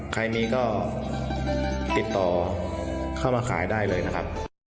ใครมีก็ติดต่อเข้ามาขายได้เลยนะครับ